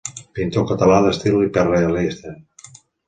Pintor català d'estil hiperrealista.